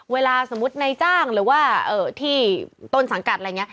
เวลาในจ้างที่ต้นสังกรรม